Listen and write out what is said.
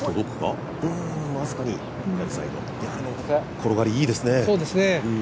転がりいいですね